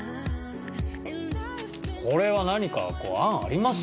これは何か案あります？